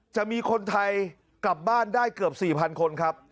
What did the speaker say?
จะมีคนไทยกลับบ้านได้เกือบ๔๐๐คนครับ